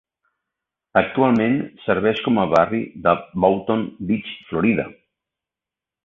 Actualment serveix com a barri de Boynton Beach, Florida.